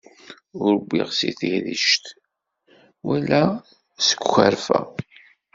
Ur wwiɣ si tirect, wala seg ukerfa.